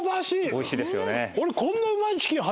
おいしいですよね。